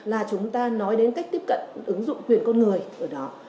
là chúng ta nói đến cách tiếp cận ứng dụng quyền con người ở đó